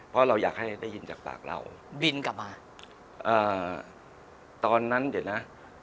เพราะเราอยากให้ได้ยินจากปากเราบินกลับมาเอ่อตอนนั้นเดี๋ยวนะ